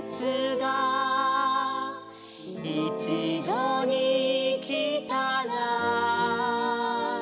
「いちどにきたら」